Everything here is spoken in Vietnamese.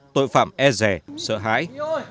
tội phạm e rẻ sợ hái